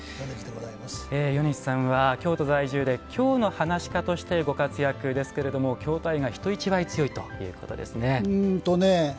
米二さんは、京都在住で京の噺家としてご活躍ですけれども、京都愛が人一倍強いということですね。